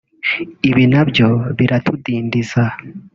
ibi nabyo biratudindiza’’